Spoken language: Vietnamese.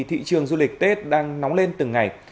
thị trường du lịch tết đang nóng lên từng ngày